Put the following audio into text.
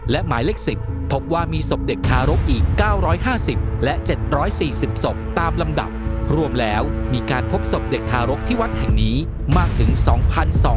และหมายเลข๑๐พบว่ามีศพเด็กทารกอีก๙๕๐และ๗๔๐ศพตามลำดับรวมแล้วมีการพบศพเด็กทารกที่วัดแห่งนี้มากถึง๒๒๐๐คน